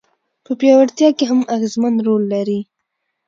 په پياوړتيا کي هم اغېزمن رول لري.